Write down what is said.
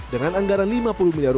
dengan anggaran rp lima puluh miliar